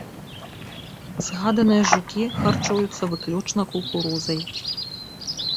Згаданыя жукі харчуюцца выключна кукурузай.